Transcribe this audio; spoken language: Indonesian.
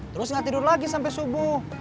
terus nggak tidur lagi sampai subuh